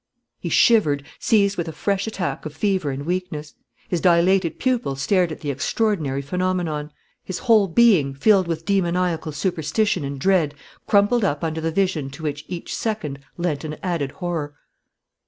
He shivered, seized with a fresh attack of fever and weakness. His dilated pupils stared at the extraordinary phenomenon. His whole being, filled with demoniacal superstition and dread, crumpled up under the vision to which each second lent an added horror.